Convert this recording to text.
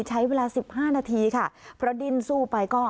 ใช้เวลาสิบห้านาทีค่ะเพราะดิ้นสู้ไปก็